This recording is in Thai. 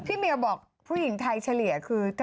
พี่เมียบอกผู้หญิงไทยเฉลี่ย